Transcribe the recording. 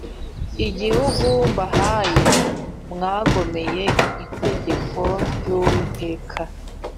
igihugu mbahaye mwagomeye itegeko ry Uwiteka